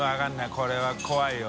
これは怖いよ。